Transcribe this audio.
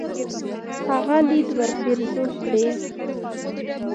هغه ليد ورپېرزو کړي.